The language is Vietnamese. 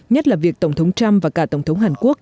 nhất là việc tổng thống trump và cả tổng thống hàn quốc